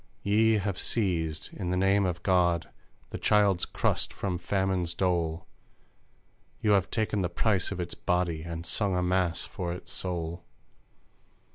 Ye have seized, in the name of God, the Child's crust from famine's dole; You have taken the price of its body And sung a mass for its soul!